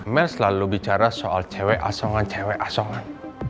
mel selalu bicara soal cewek asongan cewek asongan